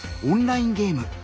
オンラインゲーム。